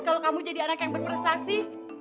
kalau kamu jadi anak yang berprestasi